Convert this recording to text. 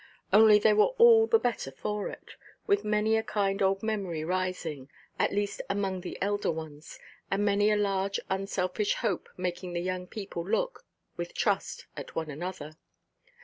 Only they were the better for it, with many a kind old memory rising, at least among the elder ones, and many a large unselfish hope making the young people look, with trust, at one another.